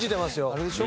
あれでしょ？